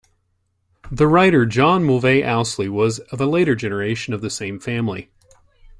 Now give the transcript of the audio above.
The writer John Mulvey Ousley was of a later generation of the same family.